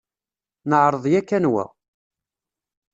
Neɛṛeḍ yakkan wa.